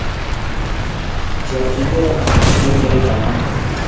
chakchige, anan menyoru karitab maat?